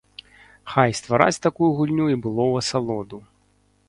Хай ствараць такую гульню і было ў асалоду.